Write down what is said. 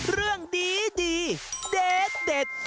เรื่องดีเด็ด